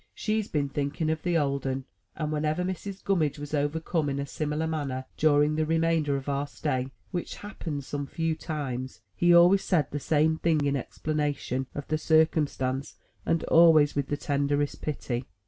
She's been thinking of the old 'un!*' And whenever Mrs. Gummidge was overcome in a similar manner during the remainder of our stay (which happened some few times) he always said the same thing in explanation of the circumstance, and always with the tenderest pity.